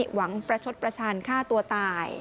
หวังประชดประชันฆ่าตัวตาย